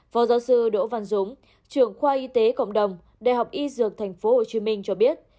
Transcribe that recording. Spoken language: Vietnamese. phó giáo sư đỗ văn dũng trưởng khoa y tế cộng đồng đại học y dược tp hcm cho biết